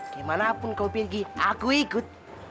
gimanapun kau pergi aku ikut